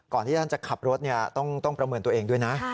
ที่ท่านจะขับรถต้องประเมินตัวเองด้วยนะ